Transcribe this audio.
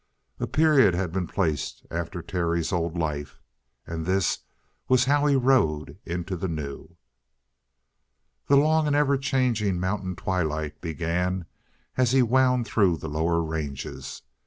A period had been placed after Terry's old life. And this was how he rode into the new. The long and ever changing mountain twilight began as he wound through the lower ranges.